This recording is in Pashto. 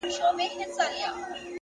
د حقیقت منل د بلوغ نښه ده!